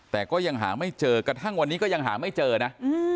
แต่ก็ยังหาไม่เจอกระทั่งวันนี้ก็ยังหาไม่เจอนะ